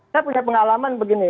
saya punya pengalaman begini